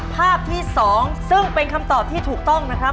ภาพที่๒ซึ่งเป็นคำตอบที่ถูกต้องนะครับ